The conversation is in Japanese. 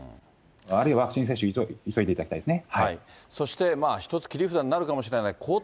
あるいは、ワクチン接種、急いでいただきたいですね。